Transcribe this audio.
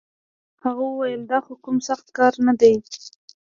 هغه وويل دا خو کوم سخت کار نه دی.